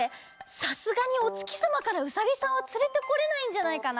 さすがにおつきさまからウサギさんはつれてこれないんじゃないかな？